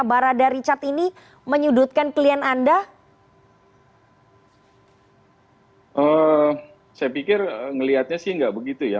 secara dari cat ini menyudutkan klien anda hai eh saya pikir ngelihatnya sih enggak begitu ya